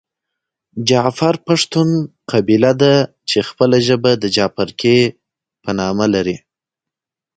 جعفر پښتون قبیله ده چې خپله ژبه د جعفرکي په نامه لري .